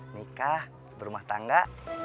nikah berumah tangga